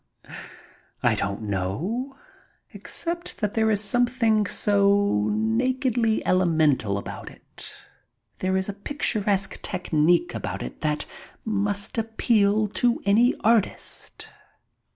I don't know, except that there is something so nakedly elemental about it. There is a picturesque technic about it that must appeal to any artist.